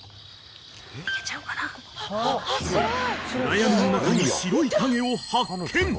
［暗闇の中に白い影を発見］